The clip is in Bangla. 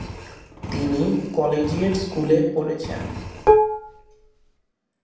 তিনি কলেজিয়েট স্কুলে পড়েছেন।